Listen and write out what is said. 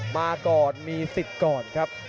มาก่อนมีสิทธิ์ก่อนครับ